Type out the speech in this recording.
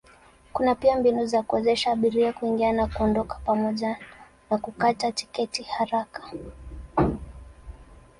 Kuna pia mbinu za kuwezesha abiria kuingia na kuondoka pamoja na kukata tiketi haraka.